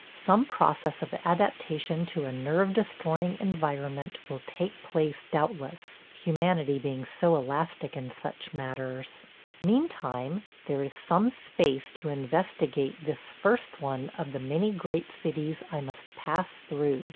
Some process of adaption to a nerve destroying environment will take place doubtless, humanity being so elastic in such matters. Meantime there is some space to investigate this first one of the many great cities I must pass through.